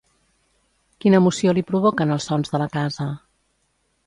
Quina emoció li provoquen els sons de la casa?